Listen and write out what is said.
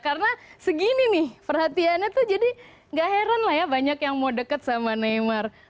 karena segini nih perhatiannya tuh jadi gak heran lah ya banyak yang mau deket sama neymar